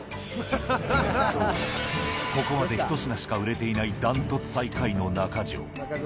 そう、ここまで１品しか売れていない、ダントツ最下位の中城。